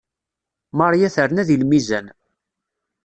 Maria terna deg lmizan.